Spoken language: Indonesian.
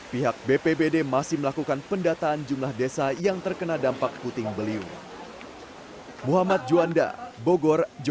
pihak bpbd masih melakukan pendataan jumlah desa yang terkena dampak puting beliung